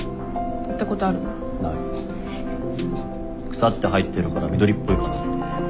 「草」って入ってるから緑っぽいかなって。